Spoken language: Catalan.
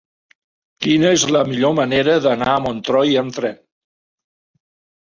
Quina és la millor manera d'anar a Montroi amb tren?